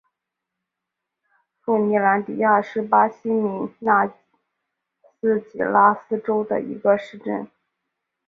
富尼兰迪亚是巴西米纳斯吉拉斯州的一个市镇。